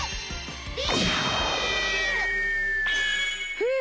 ふう。